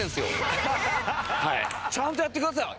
ちゃんとやってください！